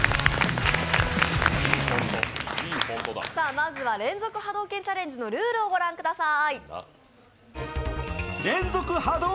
まずは連続波動拳チャレンジのルールをご覧ください。